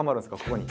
ここに。